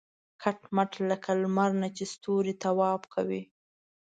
کټ مټ لکه لمر نه چې ستوري طواف کوي.